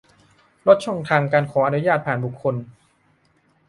ลดช่องทางการขออนุญาตผ่านบุคคล